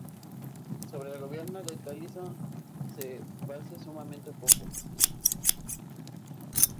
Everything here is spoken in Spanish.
Sobre el gobierno de Tasilón se base sumamente poco.